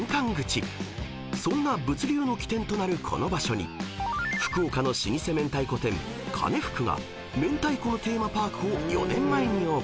［そんな物流の起点となるこの場所に福岡の老舗明太子店「かねふく」が明太子のテーマパークを４年前にオープン］